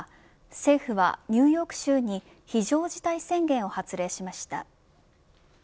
政府は、ニューヨーク州に非常事態宣言を発令しました。